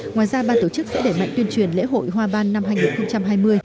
ngoài ra ban tổ chức sẽ đẩy mạnh tuyên truyền lễ hội hoa ban năm hai nghìn hai mươi